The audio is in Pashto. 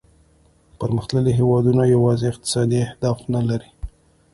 پرمختللي هیوادونه یوازې اقتصادي اهداف نه لري